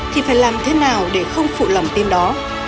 thì phải làm thế nào để không phụ lòng tin đó